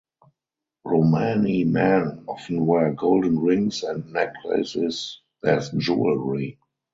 Romani men often wear golden rings and necklaces as jewelry.